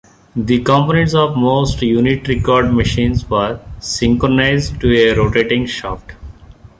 The components of most unit record machines were synchronized to a rotating shaft.